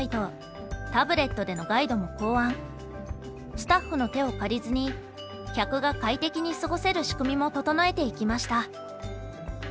スタッフの手を借りずに客が快適に過ごせる仕組みも整えていきました。